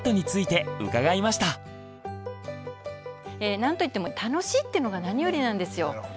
なんといっても楽しいっていうのが何よりなんですよ。